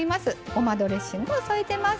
ごまドレッシングを添えてます。